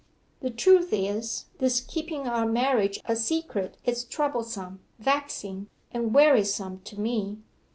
'The truth is, this keeping our marriage a secret is troublesome, vexing, and wearisome to me.